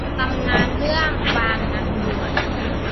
ตำนานเรื่องบางนางบวช